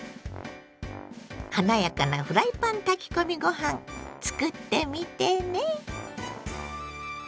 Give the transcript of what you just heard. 華やかなフライパン炊き込みご飯つくってみてね。